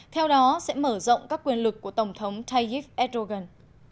theo đó sẽ mở rộng các quyền lực của tổng thống tayyip erdogan